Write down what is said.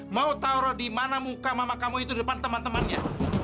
mau taruh di mana muka mama kamu itu di depan teman temannya